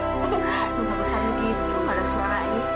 nggak bisa gitu harus marahin